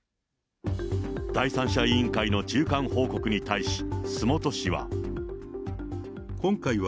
第三者委員会の中間報告に対し、洲本市は。